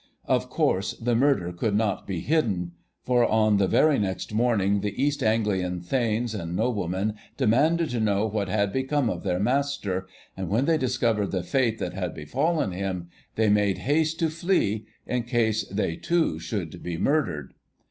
Of course the murder could not be hidden, for on the very next morning the East Anglian thanes and noblemen demanded to know what had become of their Master, and when they discovered the fate that had befallen him, they made haste to flee, in case they too should be murdered.